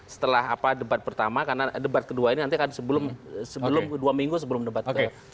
setelah debat pertama karena debat kedua ini nanti akan sebelum dua minggu sebelum debat ke